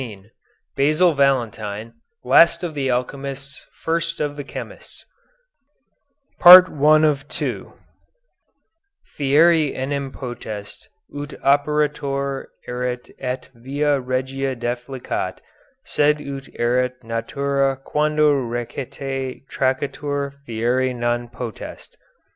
XIV BASIL VALENTINE, LAST OF THE ALCHEMISTS, FIRST OF THE CHEMISTS "Fieri enim potest ut operator erret et a via regia deflectat, sed ut erret natura quando recte tractatur fieri non potest."